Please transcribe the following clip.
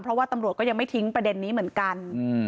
เพราะว่าตำรวจก็ยังไม่ทิ้งประเด็นนี้เหมือนกัน